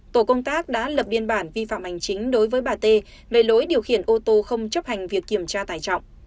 tổ công tác đã lập biên bản vi phạm hành chính đối với bà t về lỗi điều khiển ô tô không chấp hành việc kiểm tra tài trọng